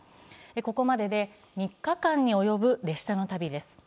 ここまでで３日間に及ぶ列車の旅です。